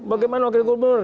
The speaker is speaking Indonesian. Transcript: bagaimana wakil gubernur